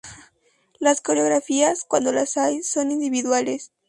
Las coreografías, cuando las hay, son individuales.